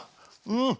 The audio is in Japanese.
うん。